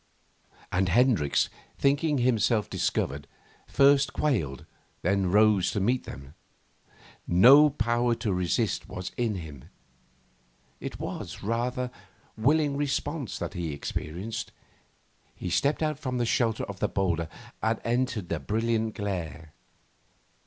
And Hendricks, thinking himself discovered, first quailed, then rose to meet them. No power to resist was in him. It was, rather, willing response that he experienced. He stepped out from the shelter of the boulder and entered the brilliant glare.